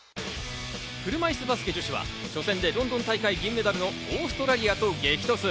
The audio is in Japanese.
車いすバスケ女子は初戦でロンドン大会銀メダルのオーストラリアと激突。